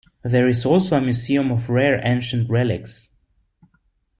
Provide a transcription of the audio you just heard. There is also a museum of rare ancient relics.